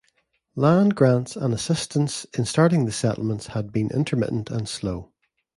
Land grants and assistance in starting the settlements had been intermittent and slow.